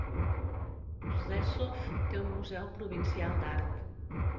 Rzeszów té un museu provincial d'art.